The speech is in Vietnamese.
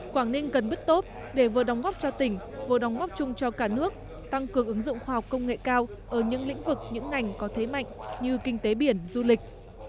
quảng ninh cần bứt tốt để vừa đóng góp cho tỉnh vừa đóng góp chung cho cả nước tăng cường ứng dụng khoa học công nghệ cao ở những lĩnh vực những ngành có thế mạnh như kinh tế biển du lịch